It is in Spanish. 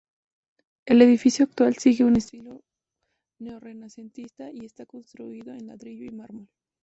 El edificio actual sigue un estilo neorrenacentista y está construido en ladrillo y mármol.